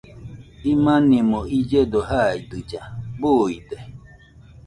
Imanimo illledo jaidɨlla, buide